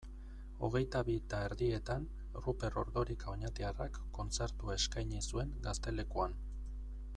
Hogeita bi eta erdietan Ruper Ordorika oñatiarrak kontzertua eskaini zuen Gaztelekuan.